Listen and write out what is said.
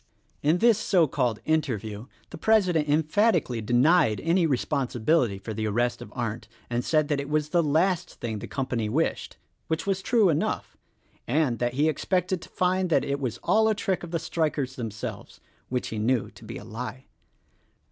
In this so called interview the president emphatically denied any responsibility for the arrest of Arndt, and said that it was the last thing the company wished — which was true enough — and that he expected to find that it was all a trick of the strikers themselves — which he knew to be a lie.